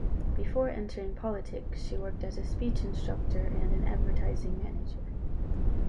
Before entering politics she worked as a speech instructor and an advertising manager.